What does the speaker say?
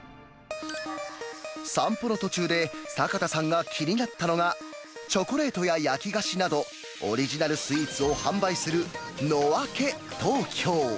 散歩の途中で、坂田さんが気になったのが、チョコレートや焼き菓子など、オリジナルスイーツを販売するノアケトーキョー。